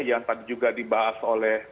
yang tadi juga dibahas oleh